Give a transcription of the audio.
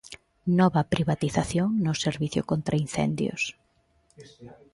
Nova privatización no servizo contra incendios.